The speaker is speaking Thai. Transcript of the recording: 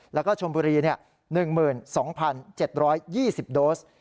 แล้วก็ชมบุรี๑๒๗๒๐โดส